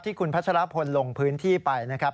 คุณพัชรพลลงพื้นที่ไปนะครับ